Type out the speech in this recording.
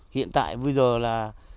hiện tại bây giờ là